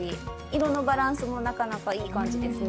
色のバランスもなかなかいい感じですね。